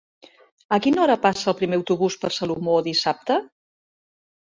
A quina hora passa el primer autobús per Salomó dissabte?